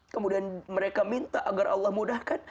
kemudian mereka minta agar allah mudahkan